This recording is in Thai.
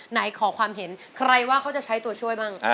ไหนขอความเห็นใครว่าเขาจะใช้ตัวช่วยบ้าง